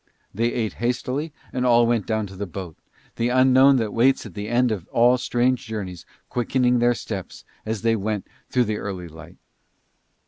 They ate hastily and all went down to the boat, the unknown that waits at the end of all strange journeys quickening their steps as they went through the early light.